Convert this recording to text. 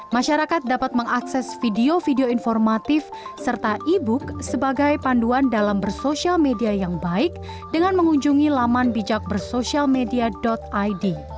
masyarakat dapat mengakses video video informatif serta e book sebagai panduan dalam bersosial media yang baik dengan mengunjungi laman bijak bersosialmedia id